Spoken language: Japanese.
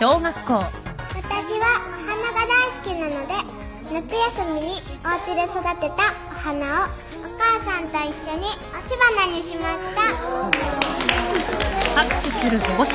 私はお花が大好きなので夏休みにおうちで育てたお花をお母さんと一緒に押し花にしました。